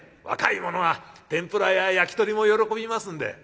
若い者は天ぷらや焼き鳥も喜びますんで。